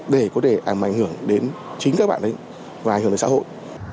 để có thể ảnh hưởng đến chính các bạn ấy và ảnh hưởng đến xã hội